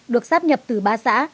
được sắp nhập từ ba xã